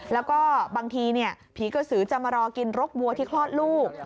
แล้วก็บางทีผีกระสือจะมารอกินรกวัวที่คลอดลูก